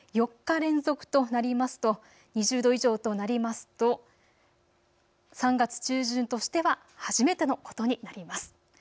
４日連続となりますと２０度以上となりますと３月中旬としては初めてのことになります。